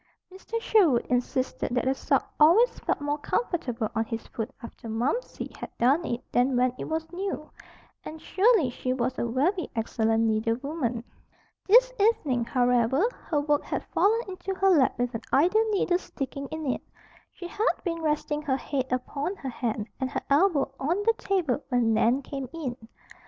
Mr. Sherwood insisted that a sock always felt more comfortable on his foot after "Momsey" had darned it than when it was new. And surely she was a very excellent needlewoman. This evening, however, her work had fallen into her lap with an idle needle sticking in it. She had been resting her head upon her hand and her elbow on the table when Nan came in.